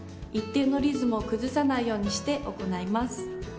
一定のリズムを崩さないようにして行います。